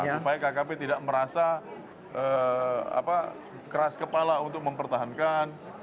supaya kkp tidak merasa keras kepala untuk mempertahankan